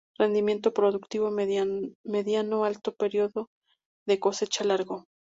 Rendimiento productivo mediano-alto y periodo de cosecha largo.